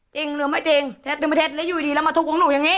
จริงหรือไม่จริงเท็จหรือไม่เท็จแล้วอยู่ดีแล้วมาทุกข์ของหนูอย่างนี้